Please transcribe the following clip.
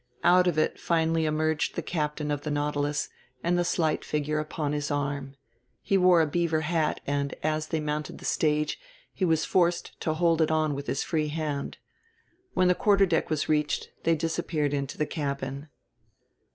Out of it finally emerged the captain of the Nautilus and the slight figure upon his arm. He wore a beaver hat, and, as they mounted the stage, he was forced to hold it on with his free hand. When the quarter deck was reached they disappeared into the cabin.